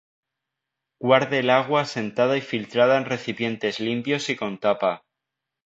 Guarde el agua asentada y filtrada en recipientes limpios y con tapa.